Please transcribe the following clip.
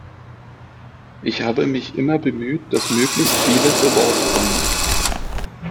Ich habe mich immer bemüht, dass möglichst viele zu Wort kommen.